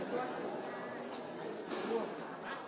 ขอบคุณครับ